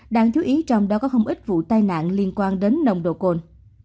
đáng chú ý trong đó có không ít vụ tai nạn liên quan đến nồng độ cồn